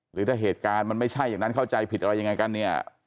หรือถ้าเหตุการณ์มันไม่ใช่อย่างนั้นเข้าใจผิดอะไรยังไงกันเนี่ย